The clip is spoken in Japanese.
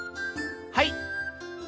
はい。